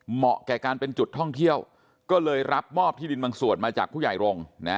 เหมาะแก่การเป็นจุดท่องเที่ยวก็เลยรับมอบที่ดินบางส่วนมาจากผู้ใหญ่รงค์